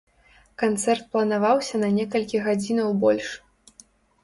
Канцэрт планаваўся на некалькі гадзінаў больш.